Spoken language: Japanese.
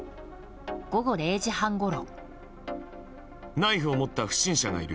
午後０時半ごろ。